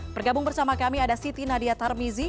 bergabung bersama kami ada siti nadia tarmizi